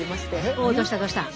おおどうしたどうした？